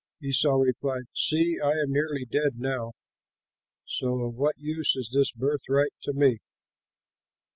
Esau replied, "See, I am nearly dead now! So of what use is this birthright to me?"